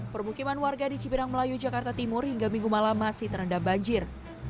permukiman warga di cipinang melayu jakarta timur hingga minggu malam masih terendam banjir